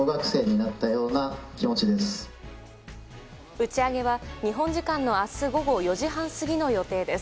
打ち上げは、日本時間の明日午後４時半過ぎの予定です。